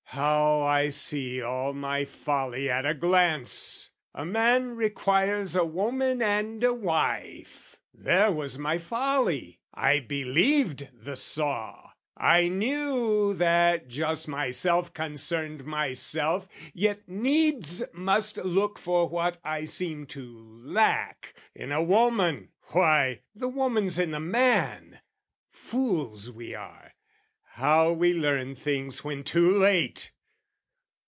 How I see all my folly at a glance! "A man requires a woman and a wife:" There was my folly; I believed the saw: I knew that just myself concerned myself, Yet needs must look for what I seemed to lack, In a woman, why, the woman's in the man! Fools we are, how we learn things when too late!